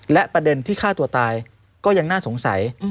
และประเด็นที่ฆ่าตัวตายก็ยังน่าสงสัย